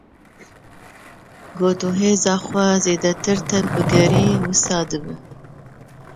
Ku tu ji hêza xwe zêdetir tevbigerî wisa dibe.